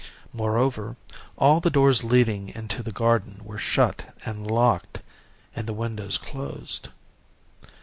Moreover all the doors leading into the garden were shut and locked, and the windows closed.